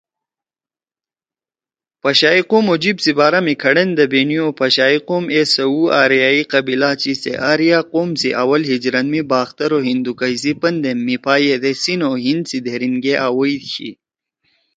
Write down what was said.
پشائی قوم او جیِب سی بارا می کھڑن دے بینی او پشائی قوم اے سؤُو آریائی قبیلہ چھی سے آریا قوم سی آول ہجرت می باختر او ہندوکش سی پندے میِپھا ییدے سندھ او ہند سی دھیریِن گے آویئی شی۔